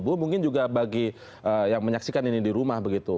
bu mungkin juga bagi yang menyaksikan ini di rumah begitu